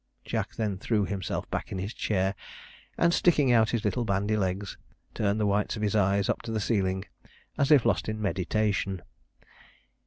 Jack then threw himself back in his chair, and sticking out his little bandy legs, turned the whites of his eyes up to the ceiling, as if lost in meditation.